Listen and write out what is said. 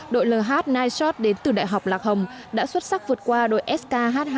đội lh nightshot đến từ đại học lạc hồng đã xuất sắc vượt qua đội sk h hai